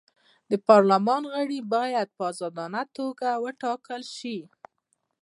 د پارلمان غړي باید په ازادانه توګه وټاکل شي.